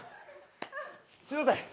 すいません